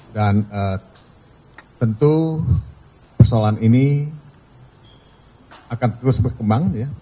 dan tentu persoalan ini akan terus berkembang